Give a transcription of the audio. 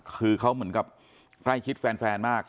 คือเขาเหมือนกับใกล้ชิดแฟนมาก